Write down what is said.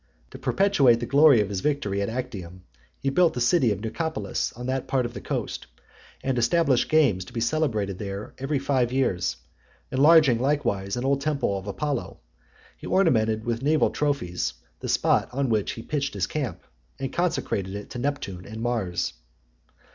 To perpetuate the glory of his victory at Actium, he built the city of Nicopolis on that part of the coast, and established games to be celebrated there every five years; enlarging likewise an old temple of Apollo, he ornamented with naval trophies the spot on which he had pitched his camp, and consecrated it to Neptune and Mars.